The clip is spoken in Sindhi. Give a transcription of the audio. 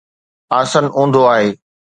آسن اونڌو آهي